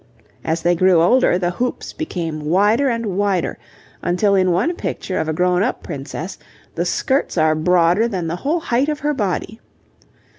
As they grew older the hoops became wider and wider, until in one picture of a grown up princess, the skirts are broader than the whole height of her body.